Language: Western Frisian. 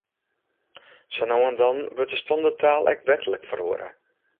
Sa no en dan wurdt de standerttaal ek wetlik feroare.